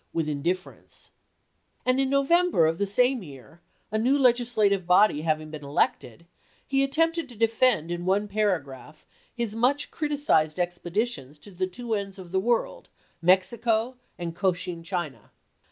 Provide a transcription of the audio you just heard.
417. ' with indifference "; and in November of the same year, a new legislative body having been elected, he attempted to defend in one paragraph his much criticized expeditions to the two ends of the world, Mexico and Cochin China.